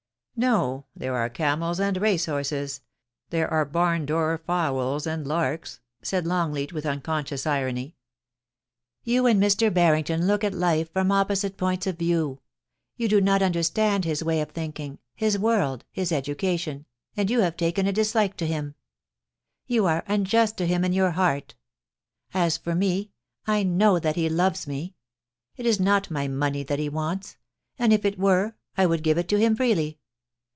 * No ; there are camels and race horses ; there are barn door fowls and larks,' said Longleat, with unconscious irony. * You and Mr. Barrington look at life from opposite points of view. You do not understand his way of thinking, his world, his education, and you have taken a dislike to him. You are unjust to him in your heart. As for me, I know that he loves me. It is not my money that he wants — and if it were, I would give it to him freely.